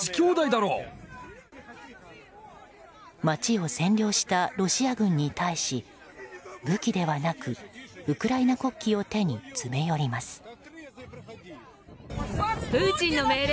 街を占領したロシア軍に対し武器ではなくウクライナ国旗を手に詰め寄ります。